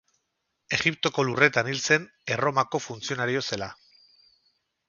Egiptoko lurretan hil zen, Erromako funtzionario zela.